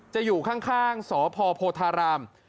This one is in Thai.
อยู่ข้างสพโพธาราม